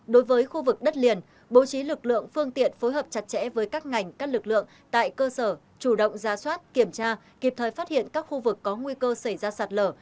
ba đối với khu vực đất liền bố trí lực lượng phương tiện phối hợp chặt chẽ với các ngành các lực lượng tại cơ sở chủ động ra soát kiểm tra kịp thời phát hiện các khu vực có nguy cơ xảy ra sạt lở